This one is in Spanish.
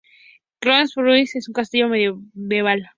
Castle Hill es un castillo medieval.